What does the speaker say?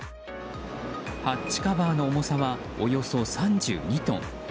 ハッチカバーの重さはおよそ３２トン。